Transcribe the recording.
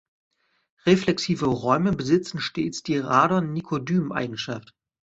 Reflexive Räume besitzen stets die Radon-Nikodym-Eigenschaft.